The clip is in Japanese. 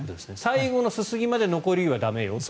最後のすすぎまで残り湯は駄目よと。